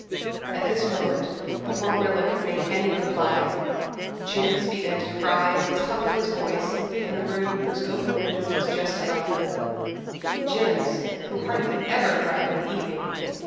At this moment, before Rilla could make any reply, Jims began to cry at the top of his voice in the room whose open window was just above them Jims, who hardly ever cried in the evening.